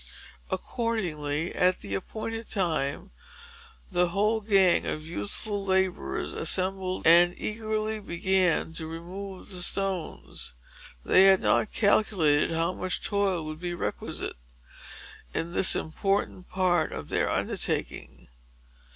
Accordingly, at the appointed time, the whole gang of youthful laborers assembled, and eagerly began to remove the stones. They had not calculated how much toil would be requisite, in this important part of their undertaking.